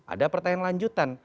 ada pertanyaan lanjutan